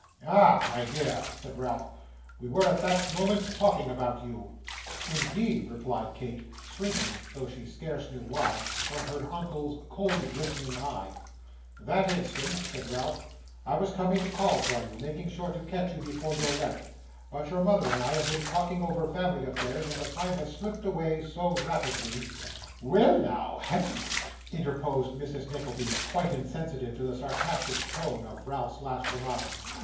'Ah! my dear!' said Ralph; 'we were at that moment talking about you.' 'Indeed!' replied Kate, shrinking, though she scarce knew why, from her uncle's cold glistening eye. 'That instant,' said Ralph. 'I was coming to call for you, making sure to catch you before you left; but your mother and I have been talking over family affairs, and the time has slipped away so rapidly ' 'Well, now, hasn't it?' interposed Mrs. Nickleby, quite insensible to the sarcastic tone of Ralph's last remark.